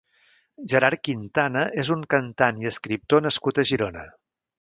Gerard Quintana és un cantant i escriptor nascut a Girona.